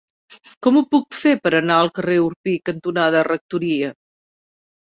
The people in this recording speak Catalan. Com ho puc fer per anar al carrer Orpí cantonada Rectoria?